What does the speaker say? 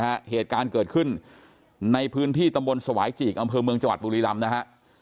เนื้อเหตุการณ์เกิดขึ้นในพื้นที่ตำรวจสวายจะฉีกอำเพลงเมืองชาวะปุริลำนะคะ